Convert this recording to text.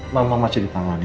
mama masih di taman